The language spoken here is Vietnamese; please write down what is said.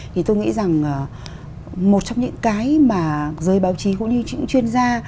thì tôi nghĩ rằng một trong những cái mà giới báo chí cũng như những chuyên gia